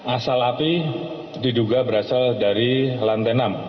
asal api diduga berasal dari lantai enam